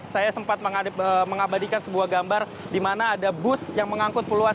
saya sempat mengabadikan sebuah gambar di mana ada bus yang mengangkut puluhan